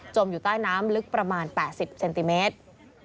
อยู่ใต้น้ำลึกประมาณ๘๐เซนติเมตร